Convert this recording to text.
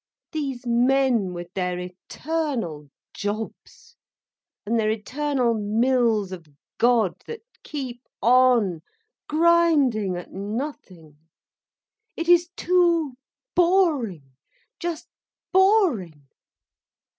These men, with their eternal jobs—and their eternal mills of God that keep on grinding at nothing! It is too boring, just boring.